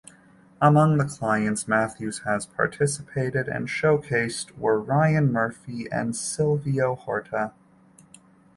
Among the clients Matthews has participated and showcased were Ryan Murphy and Silvio Horta.